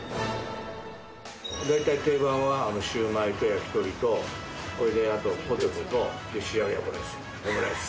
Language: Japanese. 大体定番はシューマイと焼き鳥とこれであとポテトと、仕上げはこれですよ、オムライス。